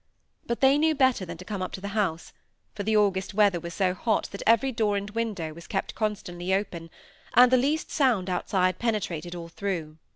But they knew better than to come up to the house, for the August weather was so hot that every door and window was kept constantly open, and the least sound outside penetrated all through.